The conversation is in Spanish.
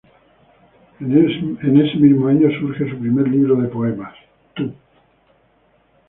En este mismo año, surge su primer libro de poemas, "Tú".